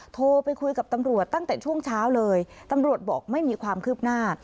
โทรไปคุยกับตำรวจตั้งแต่ช่วงเช้าเลยตำรวจบอกไม่มีความคืบหน้า